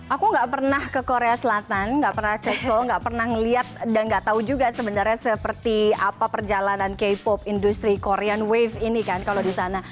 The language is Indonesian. aku gak pernah ke korea selatan nggak pernah ke seoul nggak pernah melihat dan nggak tahu juga sebenarnya seperti apa perjalanan k pop industri korean wave ini kan kalau di sana